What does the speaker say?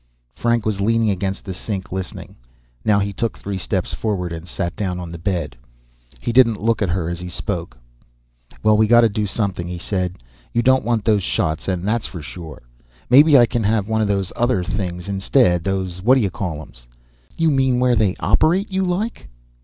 Frank was leaning against the sink, listening. Now he took three steps forward and sat down on the bed. He didn't look at her as he spoke. "Well, we gotta do something," he said. "You don't want those shots and that's for sure. Maybe I can have one of those other things instead, those whaddya call 'ems." "You mean where they operate you, like?"